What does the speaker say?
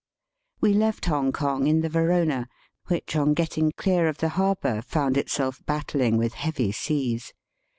We left Hongkong in the Veronay. which, on getting clear of the harbour, foimd itself battling with heavy seas.